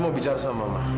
dia mau bicara sama ma